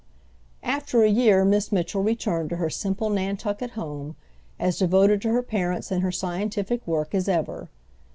After a year, Miss Mitchell returned to her simple Nantucket home, as devoted to her parents and her scientific work as ever.